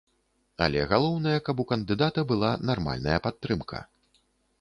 Але галоўнае, каб у кандыдата была нармальная падтрымка.